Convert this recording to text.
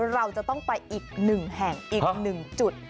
เราจะต้องไปอีกหนึ่งแห่งอีกหนึ่งจุด